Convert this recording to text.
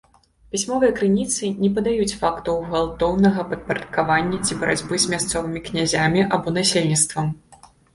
Пісьмовыя крыніцы не падаюць фактаў гвалтоўнага падпарадкавання ці барацьбы з мясцовымі князямі або насельніцтвам.